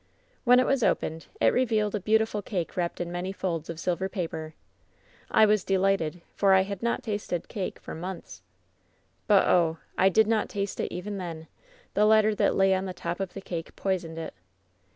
"When it was opened, it revealed a beautiful cake wrapped in many folds of silver paper. I was delighted, for I had not tasted cake for months. "But, oh! I did not taste it even then! The letter that lay on the top of the cake poisoned it.